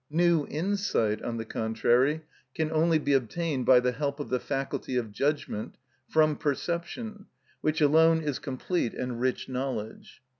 New insight, on the contrary, can only be obtained by the help of the faculty of judgment, from perception, which alone is complete and rich knowledge.